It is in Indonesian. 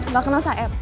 gak kenal saeb